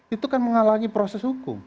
itu kan menghalangi proses hukum